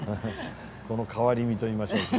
この変わり身と言いましょうか。